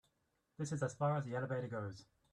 This is as far as the elevator goes.